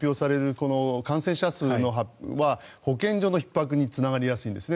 この感染者数は保健所のひっ迫につながりやすいんですね。